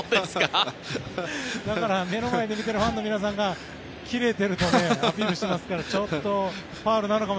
だから、目の前で見ているファンの皆さんが切れてるとアピールしてますからちょっと、ファウルなのかも。